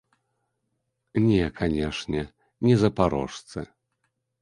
Не, канешне, не запарожцы.